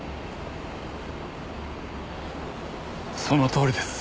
そのとおりです。